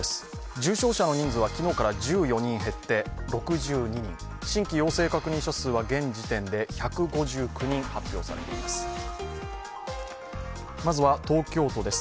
重症者の人数は昨日から２２人減って６２人、新規陽性確認者数は現時点で１５９人発表されています。